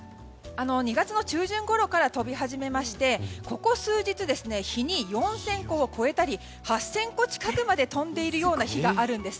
２月の中旬ごろから飛び始めまして日に４０００個を超えたり８０００個近くまで飛んでいるような日があるんです。